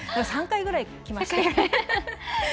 ３回ぐらい書きました。